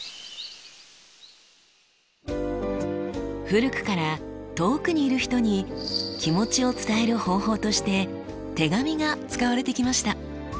古くから遠くにいる人に気持ちを伝える方法として手紙が使われてきました。